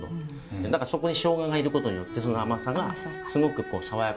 だからそこにしょうががいることによってその甘さがすごく爽やかな感じになる。